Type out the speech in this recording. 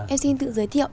em xin tự giới thiệu